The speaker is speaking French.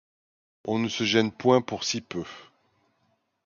On ne se gêne point pour si peu.